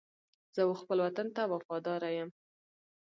زه و خپل وطن ته وفاداره یم.